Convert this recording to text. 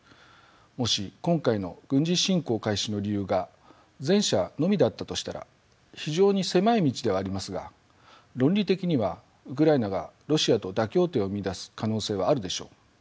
もし今回の軍事侵攻開始の理由が前者のみだったとしたら非常に狭い道ではありますが論理的にはウクライナがロシアと妥協点を見いだす可能性はあるでしょう。